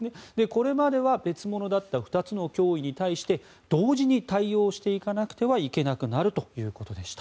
これまでは別物だった２つの脅威に対して同時に対応していかなくてはいけなくなるということでした。